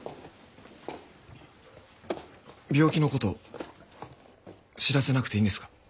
病気の事知らせなくていいんですか？